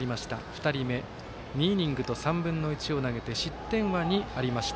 ２人目２イニングと３分の１を投げて失点は２ありました。